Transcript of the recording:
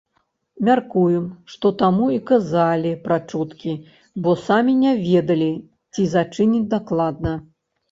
Мяркуем, што таму і казалі пра чуткі, бо самі не ведалі, ці зачыняць дакладна.